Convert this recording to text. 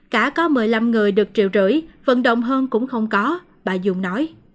cả có một mươi năm người được triệu rưỡi vận động hơn cũng không có bà dũng nói